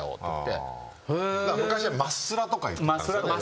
昔は真っスラとか言ってたんですよね